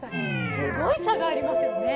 すごい差がありますよね。